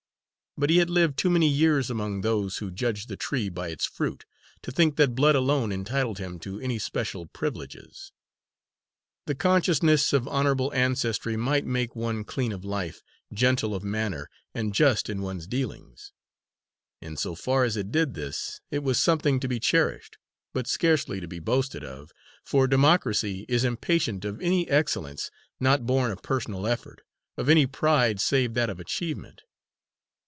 But he had lived too many years among those who judged the tree by its fruit, to think that blood alone entitled him to any special privileges. The consciousness of honourable ancestry might make one clean of life, gentle of manner, and just in one's dealings. In so far as it did this it was something to be cherished, but scarcely to be boasted of, for democracy is impatient of any excellence not born of personal effort, of any pride save that of achievement.